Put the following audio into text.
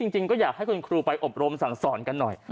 จริงก็อยากให้คุณครูไปอบรมสั่งสอนกันหน่อย